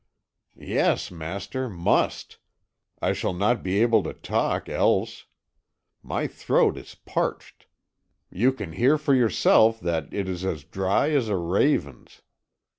"Yes, master, must; I shall not be able to talk else. My throat is parched you can hear for yourself that it is as dry as a raven's.